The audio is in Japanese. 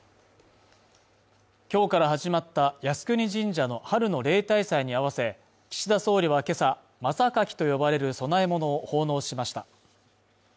今日から始まった靖国神社の春の例大祭に合わせ、岸田総理は今朝まさかきと呼ばれる供え物を奉納しました。